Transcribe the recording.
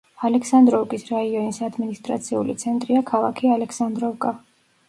ალექსანდროვკის რაიონის ადმინისტრაციული ცენტრია ქალაქი ალექსანდროვკა.